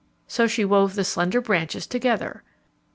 So she wove the slender branches together.